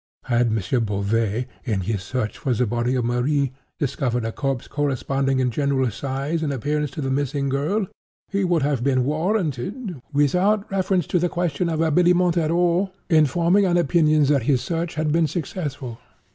Had M. Beauvais, in his search for the body of Marie, discovered a corpse corresponding in general size and appearance to the missing girl, he would have been warranted (without reference to the question of habiliment at all) in forming an opinion that his search had been successful.